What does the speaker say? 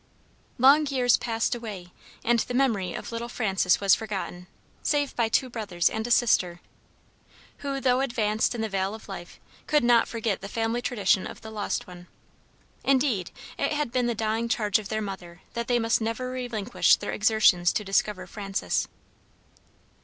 Long years passed away and the memory of little Frances was forgotten, save by two brothers and a sister, who, though advanced in the vale of life, could not forget the family tradition of the lost one. Indeed it had been the dying charge of their mother that they must never relinquish their exertions to discover Frances.